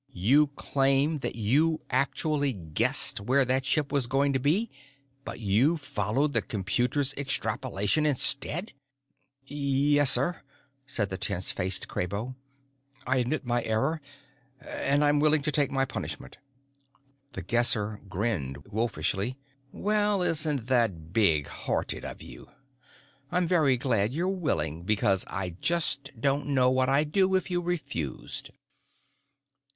"You claim that you actually guessed where that ship was going to be, but you followed the computer's extrapolation instead?" "Yes, sir," said the tense faced Kraybo. "I admit my error, and I'm willing to take my punishment." The Guesser grinned wolfishly. "Well, isn't that big hearted of you? I'm very glad you're willing, because I just don't know what I'd do if you refused."